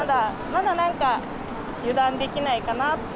まだなんか、油断できないかなって。